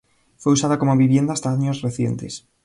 Fue usada como vivienda hasta años recientes.